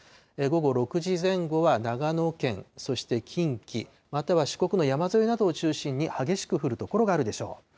午後６時前後は長野県、そして近畿、または四国の山沿いなどを中心に、激しく降る所があるでしょう。